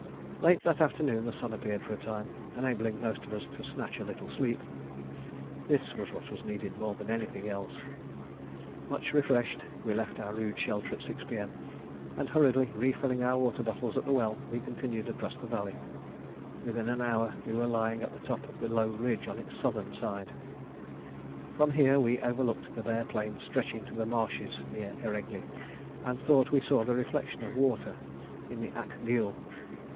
Late that afternoon the sun appeared for a time, enabling most of us to snatch a little sleep. This was what was needed more than anything else. Much refreshed, we left our rude shelter at 6 P.M., and hurriedly refilling our water bottles at the well, continued across the valley. Within an hour we were lying at the top of the low ridge on its southern side. From here we overlooked the bare plain stretching to the marshes near Eregli, and thought we saw the reflection of water in the Ak Gueul.